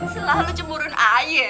selalu cemurin ayah